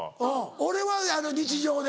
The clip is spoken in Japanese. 俺は日常で。